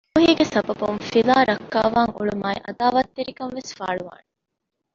މި ފޫހީގެ ސަބަބުން ފިލާ ރައްކާވާން އުޅުމާއި ޢަދާވާތްތެރިކަން ވެސް ފާޅުވާނެ